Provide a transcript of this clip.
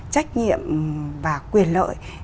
trách nhiệm và quyền lợi